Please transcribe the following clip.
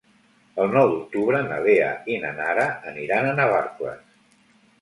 El nou d'octubre na Lea i na Nara aniran a Navarcles.